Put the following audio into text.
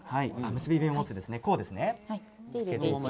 結び目を持つんですね。